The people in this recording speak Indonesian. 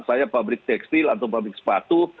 saya pabrik tekstil atau pabrik sepatu